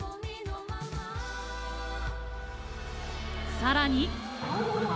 さらに。